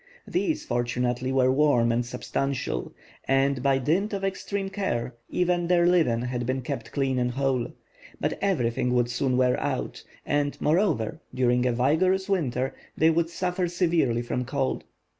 These, fortunately, were warm and substantial; and by dint of extreme care, even their linen had been kept clean and whole; but everything would soon wear out, and moreover, during a vigorous winter, they would suffer severely from cold.